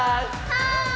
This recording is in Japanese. はい！